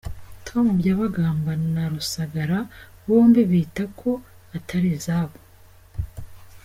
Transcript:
Tom Byabagamba na Rusagara bombi bita ko atari izabo.